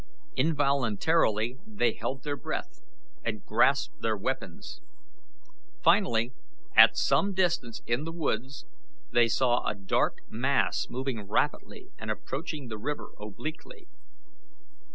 Involuntarily they held their breath and grasped their weapons. Finally, at some distance in the woods they saw a dark mass moving rapidly and approaching the river obliquely.